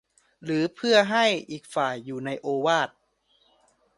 หรือเพื่อให้อีกฝ่ายอยู่ในโอวาท